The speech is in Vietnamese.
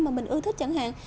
mà mình ưa thích chẳng hạn